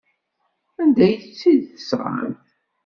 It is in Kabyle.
Anda ay tt-id-tesɣamt?